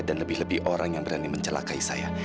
dan lebih lebih orang yang berani mencelakai saya